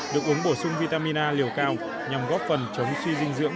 được uống bổ sung vitamin a liều cao nhằm góp phần chống suy dinh dưỡng